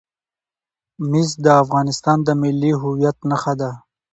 مس د افغانستان د ملي هویت نښه ده.